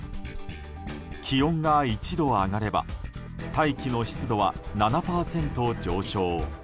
気温が１度上がれば大気の湿度は７％上昇。